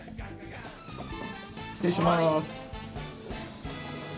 失礼します。